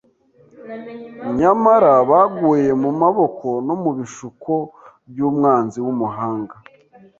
Nyamara baguye mu maboko no mu bishuko by’umwanzi w’umuhanga.